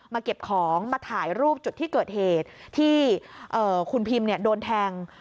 เก็บของมาถ่ายรูปจุดที่เกิดเหตุที่คุณพิมโดนแทง